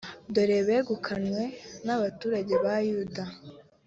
Dore begukanwe n’abaturage ba Yuda,